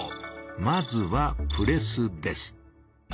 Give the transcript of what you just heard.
まずは「プレス」です。